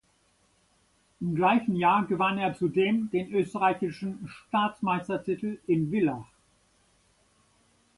Im gleichen Jahr gewann er zudem den Österreichischen Staatsmeistertitel in Villach.